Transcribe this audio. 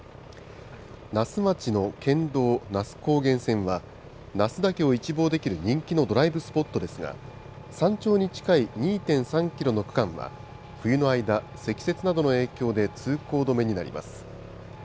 那須町の県道那須高原線は、那須岳を一望できる人気のドライブスポットですが、山頂に近い２．３キロの区間は、冬の間、積雪などの影響で通行止めになります。